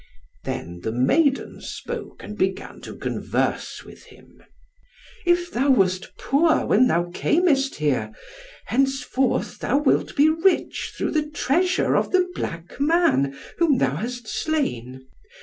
Then the maiden spoke, and began to converse with him. "If thou wast poor when thou camest here, henceforth thou wilt be rich through the treasure of the black man whom thou hast slain.